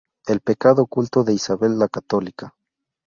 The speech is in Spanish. El pecado oculto de Isabel la Católica.